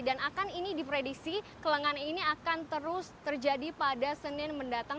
dan akan ini diprediksi kelengangan ini akan terus terjadi pada senin mendatang